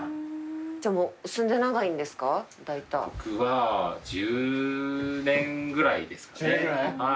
僕は１０年ぐらいですかね。